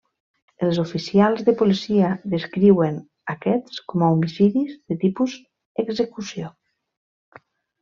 Els oficials de policia descriuen aquests com a homicidis de tipus execució.